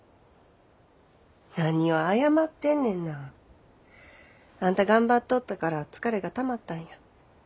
何を謝ってんねんな。あんた頑張っとったから疲れがたまったんや。